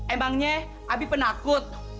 emangnya abi penakut